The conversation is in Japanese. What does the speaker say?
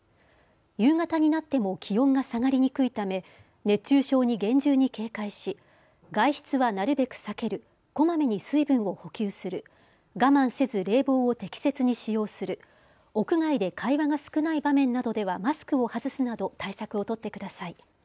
夕方になっても気温が下がりにくいため熱中症に厳重に警戒し、外出はなるべく避ける、こまめに水分を補給する、我慢せず冷房を適切に使用する、屋外で会話が少ない場面などではマスクを外すなど対策を取ってください。